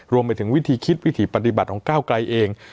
รวมไปถึงวิธีคิดวิถีปฏิบัติของก้าวไกลเอง